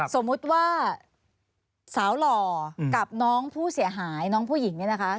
สมมุติว่าสาวหล่อกับน้องผู้เสียหายน้องผู้หญิงเนี่ยนะคะ